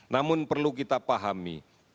namun perlu kita pahami